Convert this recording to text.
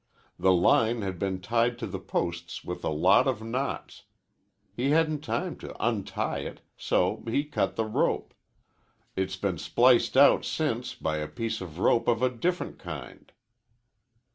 The line had been tied to the posts with a lot of knots. He hadn't time to untie it. So he cut the rope. It's been spliced out since by a piece of rope of a different kind."